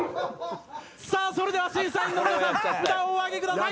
さあそれでは審査員の皆さん札をお上げください。